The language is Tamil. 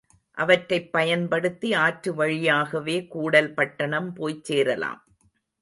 அவற்றைப் பயன்படுத்தி ஆற்று வழியாகவே கூடல் பட்டணம் போய்ச் சேரலாம்.